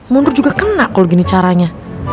mundur juga kena kalau gini caranya